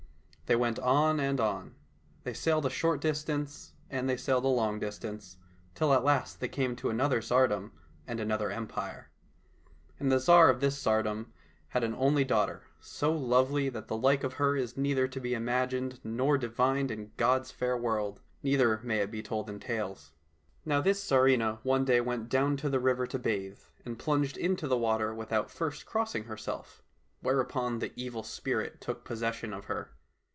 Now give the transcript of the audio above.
They went on and on. They sailed a short distance and they sailed a long distance, till at last they came to another tsardom and another empire. And the Tsar of this tsardom had an only daughter, so lovely that the like of her is neither to be imagined nor divined 85 COSSACK FAIRY TALES in God's fair world, neither may it be told in tales. Now this Tsarivna one day went down to the river to bathe, and plunged into the water without first crossing herself, whereupon the Evil Spirit took posses sion of her.